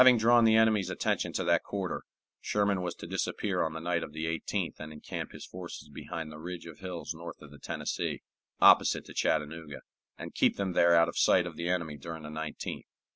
Having drawn the enemy's attention to that quarter, Sherman was to disappear on the night of the 18th and encamp his forces behind the ridge of hills north of the Tennessee, opposite to Chattanooga, and keep them there out of sight of the enemy during the 19th.